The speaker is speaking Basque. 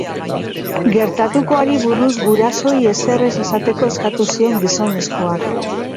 Gertatutakoari buruz gurasoei ezer ez esateko eskatu zion gizonezkoak.